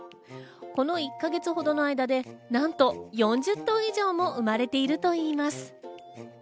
この１か月ほどの間でなんと４０頭以上も生まれているといいます。